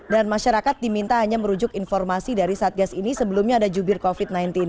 dan masyarakat diminta hanya merujuk informasi dari satgas ini sebelumnya ada jubir covid sembilan belas